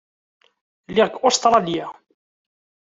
Lliɣ deg Ustṛalya.